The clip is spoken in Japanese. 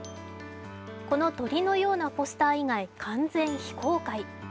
この鳥のようなポスター以外完全非公開。